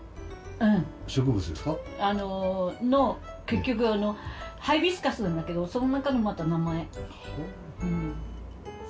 結局ハイビスカスなんだけどその中のまた名前。